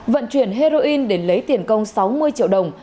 vận chuyển heroin để lấy tiền công sáu mươi triệu đồng